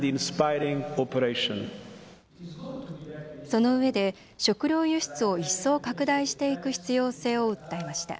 そのうえで食料輸出を一層、拡大していく必要性を訴えました。